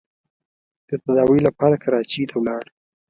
د تداوۍ لپاره کراچۍ ته ولاړ.